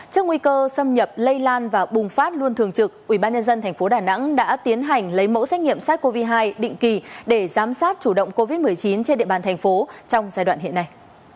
trước nguy cơ xâm nhập lây lan và bùng phát luôn thường trực ubnd tp đà nẵng đã tiến hành lấy mẫu xét nghiệm sars cov hai định kỳ để giám sát chủ động covid một mươi chín trên địa bàn thành phố trong giai đoạn hiện nay